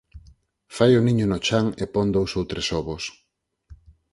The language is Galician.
Fai o niño no chan e pon dous ou tres ovos.